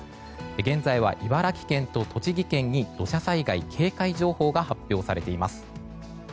現在は茨城県と栃木県に土砂災害警戒情報が発表されています。